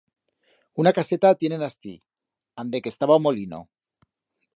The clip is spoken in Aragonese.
Una caseta tienen astí, ande que estaba o molino.